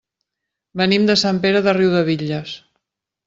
Venim de Sant Pere de Riudebitlles.